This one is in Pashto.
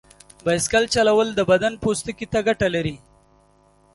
بایسکل چلول د بدن پوستکي ته ګټه لري.